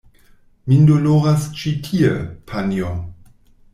Min doloras ĉi tie, panjo!